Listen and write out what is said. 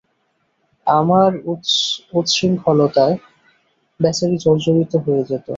আমার উচ্ছঙ্খলতায় বেচারী জর্জরিত হয়ে যেত।